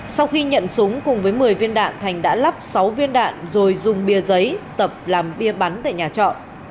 sau khi nhận súng cùng với một mươi viên đạn thành đã lắp sáu viên đạn rồi dùng bia giấy tập làm bia bắn tại nhà trọ